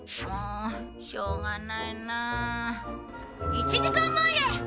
１時間前へ。